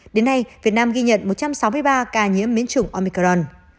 đến nay việt nam ghi nhận một trăm sáu mươi ba ca nhiễm biến chủng omicron